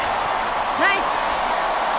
ナイス！